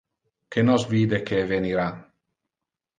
Que nos vide que evenira.